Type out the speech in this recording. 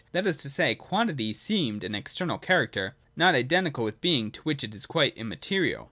That is to say, quantity seemed an external character not identical with Being, to which it is quite immaterial.